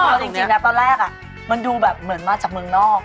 จริงแล้วตอนแรกมันดูเหมือนมาจากเมืองนอก